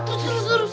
terus terus terus